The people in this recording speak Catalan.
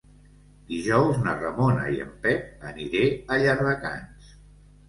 Dijous na Ramona i en Pep aniré a Llardecans.